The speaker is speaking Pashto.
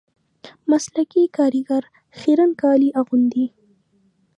مسلکي کاریګر خیرن کالي اغوندي